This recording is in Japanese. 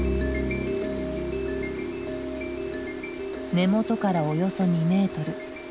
根元からおよそ２メートル。